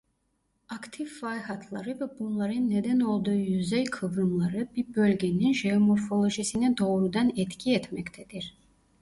Aktif fay hatları ve bunların neden olduğu yüzey kıvrımları bir bölgenin jeomorfolojisine doğrudan etki etmektedir.